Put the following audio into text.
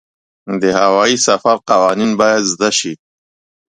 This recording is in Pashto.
د هوايي سفر قوانین باید زده شي.